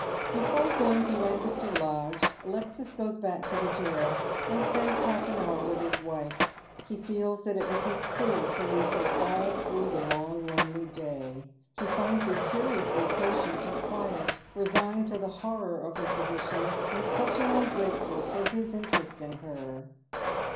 Before going to Lancaster Lodge, Alesds goes back to the jail, and spends half an hour with his wife. He feels that it would be cruel to leave her all through the long lonely day. He finds her curiously patient and quiet, resigned to the horror of her position, and touchingly grateful for his interest in her.